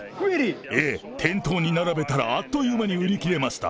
ええ、店頭に並べたら、あっという間に売り切れました。